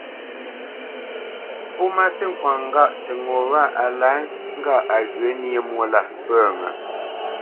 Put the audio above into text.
Pó má sî kwaŋnə́ ŋgâʼ tə ŋo wâ á lǎ ŋgâʼ á ghyə̂ nyé mwô lâ pə́ ŋə?